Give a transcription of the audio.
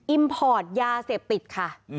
พอร์ตยาเสพติดค่ะ